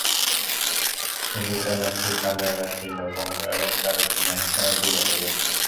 সবুজ এলাচি, কালো এলাচি, লবঙ্গ এবং দারুচিনি একসঙ্গে গুঁড়া করে নিন।